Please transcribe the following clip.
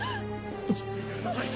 落ち着いてください。